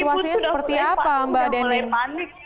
situasinya seperti apa mbak deni